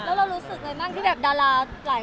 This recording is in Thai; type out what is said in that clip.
แล้วเรารู้สึกอย่างไรบ้าง